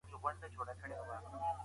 صحرايي خلګ ډېر زړور وي.